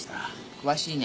詳しいね。